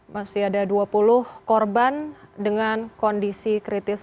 masih ada dua puluh korban dengan kondisi kritis